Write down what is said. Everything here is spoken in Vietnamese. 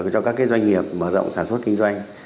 cho các doanh nghiệp mở rộng sản xuất kinh doanh